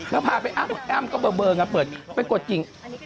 แล้วพาไปอ้ำก็เบอร์เปิดไปกดจริง